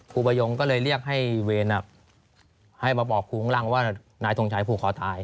ครูประยงก็เลยเรียกให้เวนอ่ะให้มาบอกครูของลังว่านายทรงชายผูกคอตาย